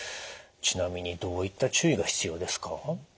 ちなみにどういった注意が必要ですか？